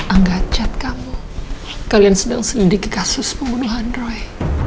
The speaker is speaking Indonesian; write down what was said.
anggap chat kamu kalian sedang selidik kasus pembunuhan roy